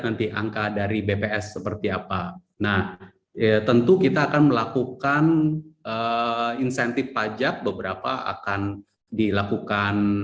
nanti angka dari bps seperti apa nah tentu kita akan melakukan insentif pajak beberapa akan dilakukan